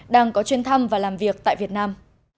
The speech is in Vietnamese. đang có chuyên thăm và làm việc tại việt nam